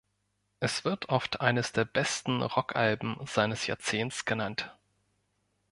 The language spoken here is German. Es wird oft eines der besten Rock-Alben seines Jahrzehnts genannt.